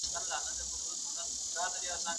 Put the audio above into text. زه زده کړه نه کوم؟